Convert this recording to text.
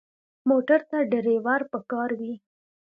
موټر ته ډرېور پکار وي.